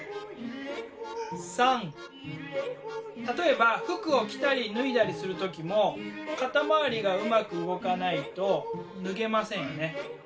例えば服を着たり脱いだりする時も肩回りがうまく動かないと脱げませんよね。